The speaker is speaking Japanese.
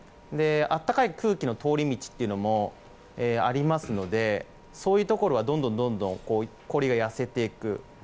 暖かい空気の通り道というのもありますのでそういうところはどんどん氷が痩せていく。